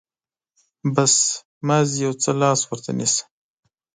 بس، مازې يو څه لاس ورته نيسه.